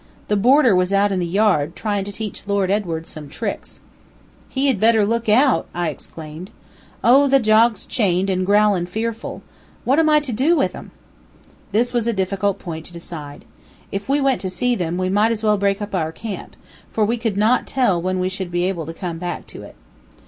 The boarder was out in the yard, tryin' to teach Lord Edward some tricks." "He had better look out!" I exclaimed. "Oh, the dog's chained and growlin' fearful! What am I to do with 'em?" This was a difficult point to decide. If we went to see them, we might as well break up our camp, for we could not tell when we should be able to come back to it.